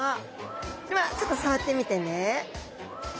ではちょっと触ってみてね。